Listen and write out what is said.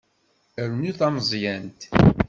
Rnu tameẓyant.